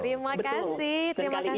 terima kasih terima kasih